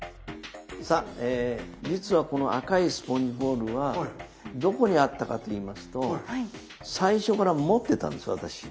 さあ実はこの赤いスポンジボールはどこにあったかといいますと最初から持ってたんです私。